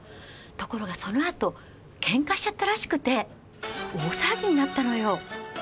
ところがそのあと喧嘩しちゃったらしくて大騒ぎになったのよ。